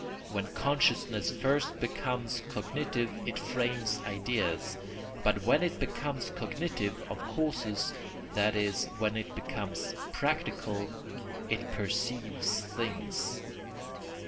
When consciousness first becomes cognitive it frames ideas; but when it becomes cognitive of causes, that is, when it becomes practical, it perceives things.